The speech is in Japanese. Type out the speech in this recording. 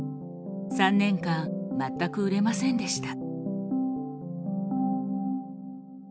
３年間全く売れませんでした。